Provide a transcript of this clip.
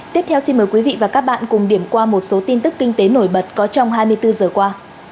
tiếp theo xin mời quý vị và các bạn cùng điểm qua một số tin tức kinh tế nổi bật có trong hai mươi bốn giờ qua